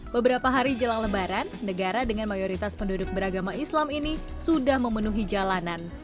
beberapa hari jelang lebaran negara dengan mayoritas penduduk beragama islam ini sudah memenuhi jalanan